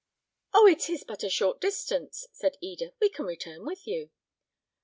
"Oh! it is but a short distance," said Eda; "we can return with you."